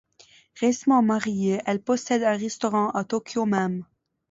Récemment mariée, elle possède un restaurant à Tokyo même.